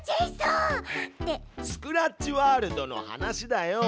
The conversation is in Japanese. スクラッチワールドの話だよ！